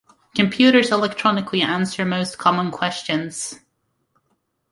Computers electronically answer most common questions.